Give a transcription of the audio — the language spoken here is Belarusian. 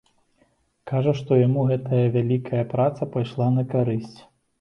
Кажа, што яму гэтая вялікая праца пайшла на карысць.